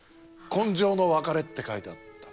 「今生の別れ」って書いてあった。